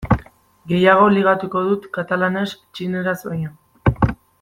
Gehiago ligatuko dut katalanez txineraz baino.